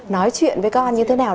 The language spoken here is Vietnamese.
nói chuyện với con như thế nào